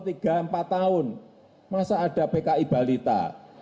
tiga empat tahun masa ada pki balita